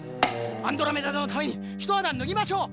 アンドロメダ座のためにひとはだぬぎましょう！